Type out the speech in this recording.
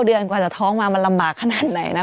เดือนกว่าจะท้องมามันลำบากขนาดไหนนะ